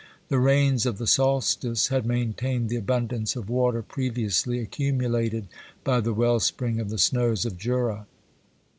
The rains of the solstice had maintained the abundance of water previously accu mulated by the well spring of the snows of Jura.